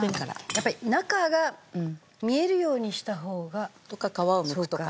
やっぱり中が見えるようにした方が。とか皮をむくとか。